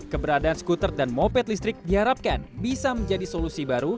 keberadaan skuter dan moped listrik diharapkan bisa menjadi solusi baru